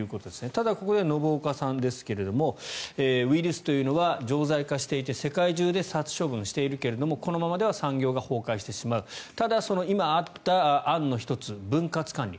ただ、ここで信岡さんですがウイルスというのは常在化していて世界中で殺処分しているけどもこのままでは産業が崩壊してしまうただ、今あった案の１つ分割管理。